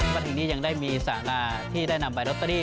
วันนี้ยังได้มีสาลาที่ได้นำบัตรลอตเตอรี่